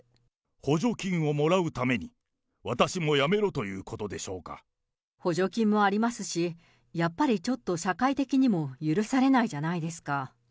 補助金をもらうために、補助金もありますし、やっぱりちょっと社会的にも許されないじゃないですか。